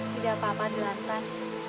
tidak apa apa dua tuan